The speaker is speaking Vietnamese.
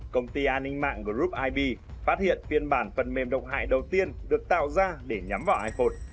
công ty an ninh mạng group ib phát hiện phiên bản phần mềm độc hại đầu tiên được tạo ra để nhắm vào iphone